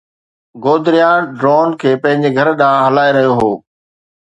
گودريا ڍورن کي پنھنجي گھر ڏانھن ھلائي رھيو ھو